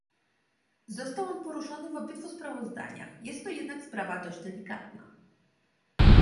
Został on poruszony w obydwu sprawozdaniach, jest to jednak sprawa dość delikatna